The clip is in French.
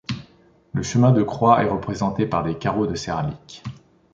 Le chemin de croix est représenté par des carreaux de céramique.